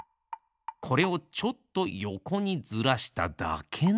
これをちょっとよこにずらしただけなのです。